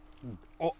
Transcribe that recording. おっ。